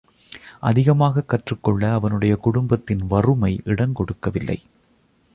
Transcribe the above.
அதிகமாகக் கற்றுக்கொள்ள அவனுடைய குடும்பத்தின் வறுமை இடங்கொடுக்கவில்லை.